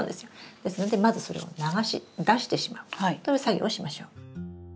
ですのでまずそれを流し出してしまうという作業をしましょう。